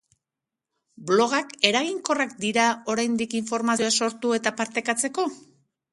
Blogak eraginkorrak dira oraindik informazioa sortu eta partekatzeko?